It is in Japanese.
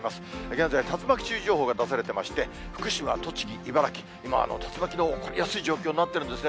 現在、竜巻注意情報が出されていまして、福島、栃木、茨城、今、竜巻の起こりやすい状況になってるんですね。